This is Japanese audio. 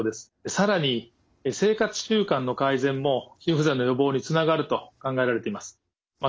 更に生活習慣の改善も心不全の予防につながると考えられています。